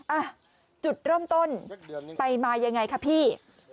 อ่ะจุดเริ่มต้นไปมายังไงคะพี่